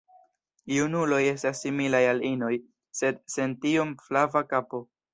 Junuloj estas similaj al inoj, sed sen tiom flava kapo.